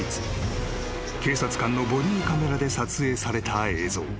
［警察官のボディーカメラで撮影された映像］